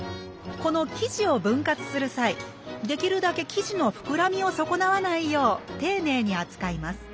この生地を分割する際できるだけ生地のふくらみを損なわないよう丁寧に扱います。